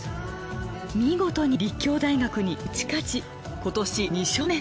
見事に立教大学に打ち勝ち今年２勝目。